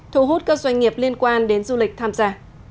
thu hút các doanh nghiệp liên quan đến du lịch tham gia